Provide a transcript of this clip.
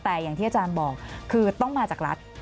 แต่อย่างที่อาจารย์บอกคือต้องมาจากรัฐ